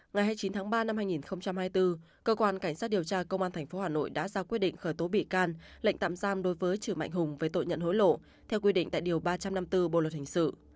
ngày hai mươi chín tháng ba năm hai nghìn hai mươi bốn cơ quan cảnh sát điều tra công an tp hà nội đã ra quyết định khởi tố bị can lệnh tạm giam đối với chử mạnh hùng về tội nhận hối lộ theo quy định tại điều ba trăm năm mươi bốn bộ luật hình sự